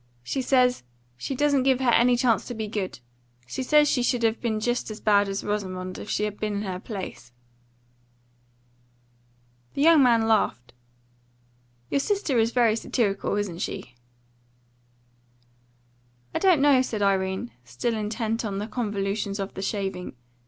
She says she doesn't give her any chance to be good. She says she should have been just as bad as Rosamond if she had been in her place." The young man laughed. "Your sister is very satirical, isn't she?" "I don't know," said Irene, still intent upon the convolutions of the shaving.